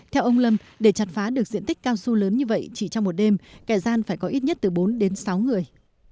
theo ông lâm để chặt phá được diện tích cao su lớn như vậy chỉ trong một đêm kẻ gian phải có ít nhất từ bốn đến sáu người